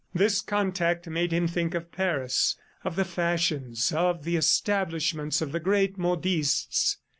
This contact made him think of Paris, of the fashions, of the establishments of the great modistes.